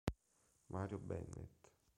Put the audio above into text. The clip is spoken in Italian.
Mario Bennett